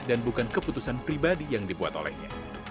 bukan keputusan pribadi yang dibuat olehnya